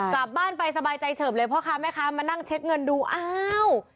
กลับบ้านไปสบายใจเฉิบเลยพ่อค้าแม่ค้ามานั่งเช็คเงินดูอ้าว